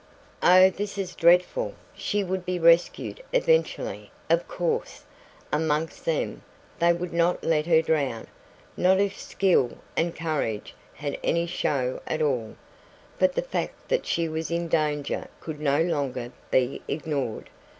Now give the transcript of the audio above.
Oh, this was dreadful! She would be rescued eventually, of course amongst them they would not let her drown, not if skill and courage had any show at all but the fact that she was in danger could no longer be ignored.